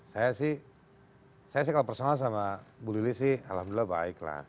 saya sih saya sih kalau personal sama bu lili sih alhamdulillah baik lah